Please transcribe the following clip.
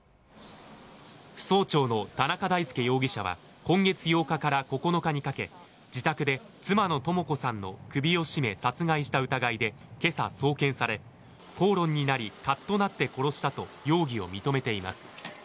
扶桑町の田中大介容疑者は今月８日から９日にかけ自宅で妻の智子さんの首を絞め殺害した疑いでけさ、送検され口論になり、かっとなって殺したと容疑を認めています。